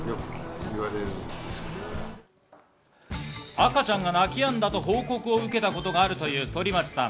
赤ちゃんが泣き止んだと報告を受けたことがあるという反町さん。